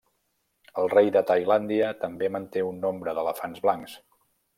El rei de Tailàndia, també manté un nombre d'elefants blancs.